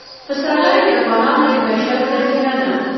پسرلی د افغانانو د معیشت سرچینه ده.